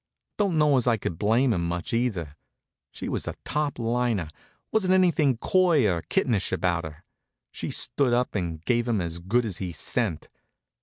Don't know as I could blame him much, either. She was a top liner. Wasn't anything coy or kittenish about her. She stood up and gave him as good as he sent.